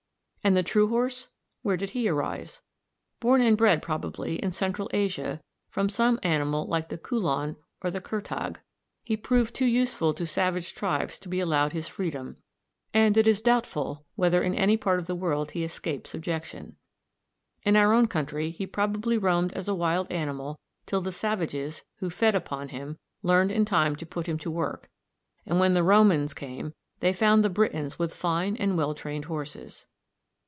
And the true horse, where did he arise? Born and bred probably in Central Asia from some animal like the "Kulan," or the "Kertag," he proved too useful to savage tribes to be allowed his freedom, and it is doubtful whether in any part of the world he escaped subjection. In our own country he probably roamed as a wild animal till the savages, who fed upon him, learned in time to put him to work; and when the Romans came they found the Britons with fine and well trained horses.